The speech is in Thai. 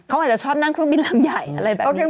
เขาอาจจะชอบนั่งเครื่องบินลำใหญ่อะไรแบบนี้